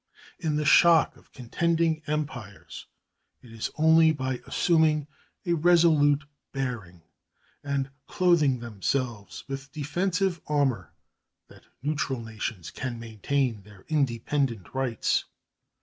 In the shock of contending empires it is only by assuming a resolute bearing and clothing themselves with defensive armor that neutral nations can maintain their independent rights.